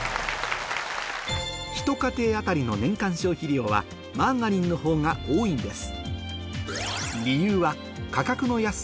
１家庭当たりの年間消費量はマーガリンの方が多いんです